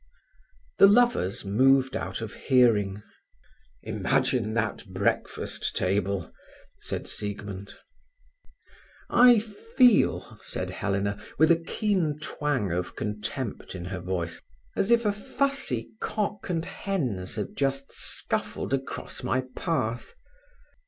The lovers moved out of hearing. "Imagine that breakfast table!" said Siegmund. "I feel," said Helena, with a keen twang of contempt in her voice, "as if a fussy cock and hens had just scuffled across my path."